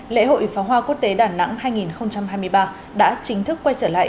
lễ hội pháo hoa quốc tế đà nẵng hai nghìn hai mươi ba đã chính thức quay trở lại